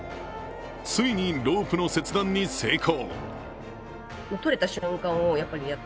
ついにロープの切断に成功。